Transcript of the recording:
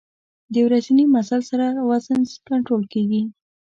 د ورځني مزل سره وزن کنټرول کېږي.